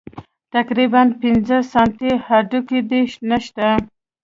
تقريباً پينځه سانتۍ هډوکى دې نشته.